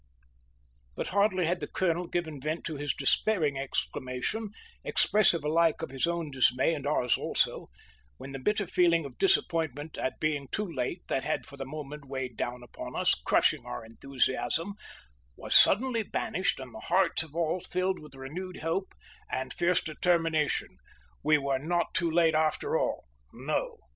But hardly had the colonel given vent to his despairing exclamation, expressive alike of his own dismay and ours also, when the bitter feeling of disappointment at being too late, that had for the moment weighed down upon us, crushing our enthusiasm, was suddenly banished and the hearts of all filled with renewed hope and fierce determination. We were not too late after all! No.